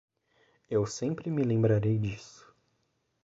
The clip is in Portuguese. Eu sempre me lembrarei disso.